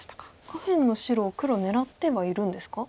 下辺の白を黒狙ってはいるんですか？